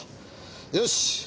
よし！